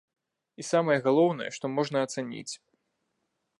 І самае галоўнае, што можна ацаніць.